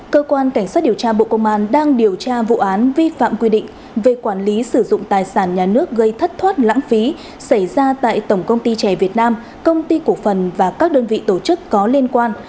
cơ quan cảnh sát điều tra bộ công an đang điều tra vụ án vi phạm quy định về quản lý sử dụng tài sản nhà nước gây thất thoát lãng phí xảy ra tại tổng công ty trẻ việt nam công ty cổ phần và các đơn vị tổ chức có liên quan